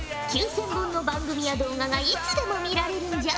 ９，０００本の番組や動画がいつでも見られるんじゃ。